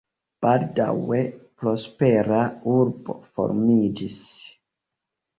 Baldaŭe prospera urbo formiĝis.